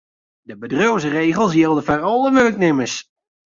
De bedriuwsregels jilde foar alle wurknimmers.